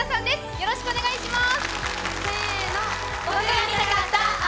よろしくお願いします。